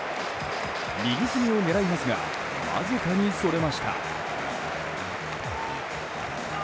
右隅を狙いますがわずかにそれました。